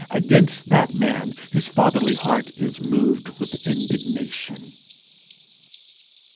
Against that man his fatherly heart is moved with indignation.